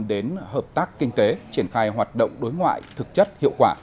đến hợp tác kinh tế triển khai hoạt động đối ngoại thực chất hiệu quả